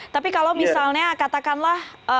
tapi kalau misalnya katakanlah